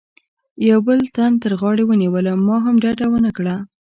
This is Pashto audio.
یوه بل تن تر غاړې ونیولم، ما هم ډډه و نه کړه.